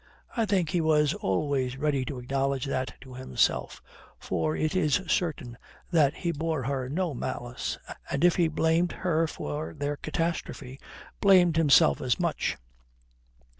I think he was always ready to acknowledge that to himself, for it is certain that he bore her no malice, and if he blamed her for their catastrophe, blamed himself as much.